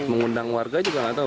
mengundang warga juga nggak tahu